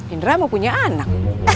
indra mau punya anak